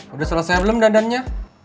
udah selesai belum dadanya